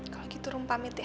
kalau gitu rum pamit ya